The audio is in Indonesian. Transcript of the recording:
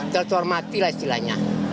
tertormati lah istilahnya